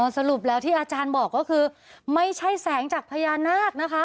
สรุปแล้วที่อาจารย์บอกก็คือไม่ใช่แสงจากพญานาคนะคะ